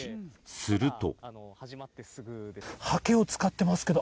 すると。